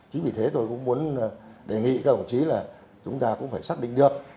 chính vì thế tôi cũng muốn đề nghị các đồng chí là chúng ta cũng phải xác định được